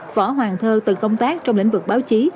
võ hoàng thơ từng công tác trong lĩnh vực báo chí